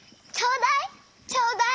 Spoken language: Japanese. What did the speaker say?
ちょうだい！